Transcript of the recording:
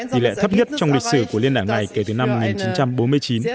tỷ lệ thấp nhất trong lịch sử của liên đảng này kể từ năm một nghìn chín trăm bốn mươi chín